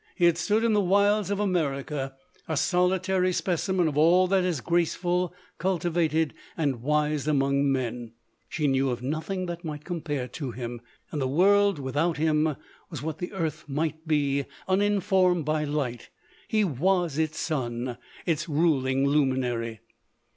He had stood in the wilds of America a solitary specimen of all that is graceful, culti vated, and wise among men ; she knew of no thing that might compare to him ; and the world without him, was what the earth might be uninformed by light : he was its sun, its ruling luminary.